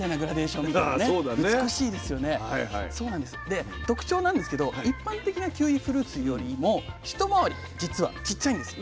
で特徴なんですけど一般的なキウイフルーツよりも一回りじつはちっちゃいんです。